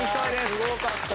すごかった！